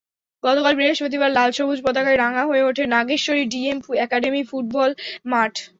গতকাল বৃহস্পতিবার লাল-সবুজ পতাকায় রাঙা হয়ে ওঠে নাগেশ্বরী ডিএম একাডেমি ফুটবল মাঠ।